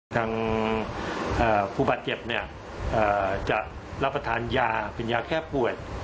ทางผู้บาดเจ็บจะรับประทานยาเป็นยาแก้ปวด